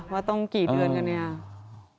ว่าต้องกี่เดือนกันเนี่ย